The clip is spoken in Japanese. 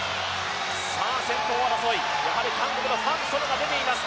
先頭争い、韓国のファン・ソヌが出ています。